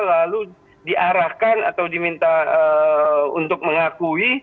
lalu diarahkan atau diminta untuk mengakui